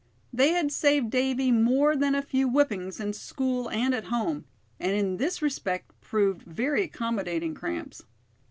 They had saved Davy more than a few whippings, in school and at home: and in this respect proved very accommodating cramps.